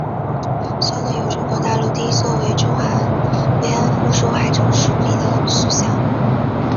校区内有中国大陆第一座为中韩慰安妇受害者树立的塑像。